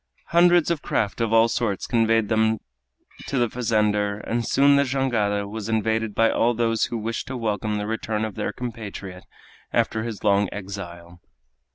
Hundreds of craft of all sorts conveyed them to the fazender, and soon the jangada was invaded by all those who wished to welcome the return of their compatriot after his long exile.